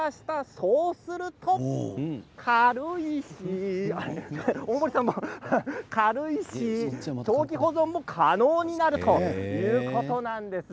そうすると軽いし長期保存も可能になるということなんです。